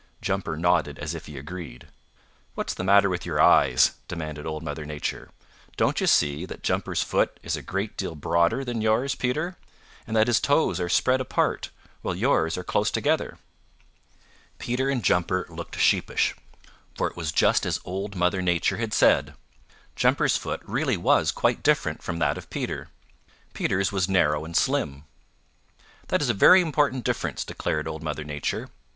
Jumper nodded as if he agreed. "What's the matter with your eyes?" demanded Old Mother Nature. "Don't you see that Jumper's foot is a great deal broader than yours, Peter, and that his toes are spread apart, while yours are close together?" Peter and Jumper looked sheepish, for it was just as Old Mother Nature had said. Jumper's foot really was quite different from that of Peter. Peter's was narrow and slim. "That is a very important difference," declared Old Mother Nature.